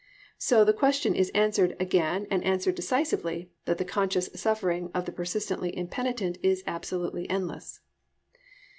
_ So the question is answered again and answered decisively that the conscious suffering of the persistently impenitent is absolutely endless.